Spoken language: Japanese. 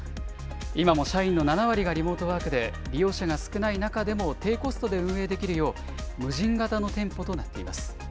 今も社員の７割がリモートワークで利用者が少ない中でも低コストで運営できるよう、無人型の店舗となっています。